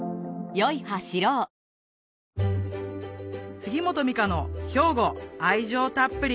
杉本美香の兵庫愛情たっぷり！